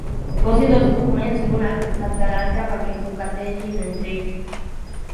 Posi dos documents l'un al costat de l'altre perquè coquetegin entre ells.